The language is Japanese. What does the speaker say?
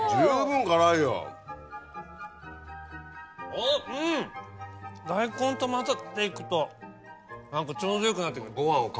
あっうん大根と混ざっていくと何かちょうどよくなってくる。